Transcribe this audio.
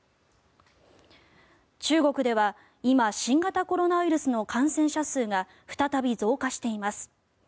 中国では今新型コロナウイルスの感染者数が再び増加しています。